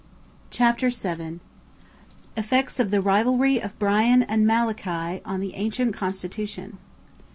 CHAPTER VII. EFFECTS OF THE RIVALRY OF BRIAN AND MALACHY ON THE ANCIENT CONSTITUTION.